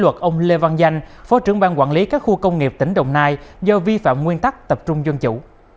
vừa quyết định thi hành ký luật ông lê văn danh phó trưởng bang quản lý các khu công nghiệp tỉnh đồng nai do vi phạm nguyên tắc tập trung dân chủ